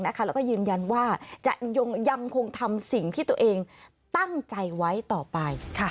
แล้วก็ยืนยันว่าจะยังคงทำสิ่งที่ตัวเองตั้งใจไว้ต่อไป